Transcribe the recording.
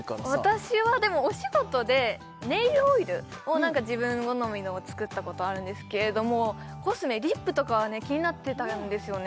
私はでもお仕事でネイルオイルを自分好みのを作ったことあるんですけれどもコスメリップとかはね気になってたんですよね